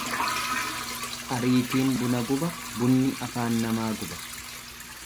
Ariitiin buna guba, bunni afaan nama guba.